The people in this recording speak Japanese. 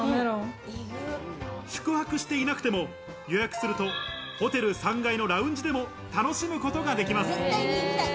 宿泊していなくても予約するとホテル３階のラウンジでも楽しむことができます。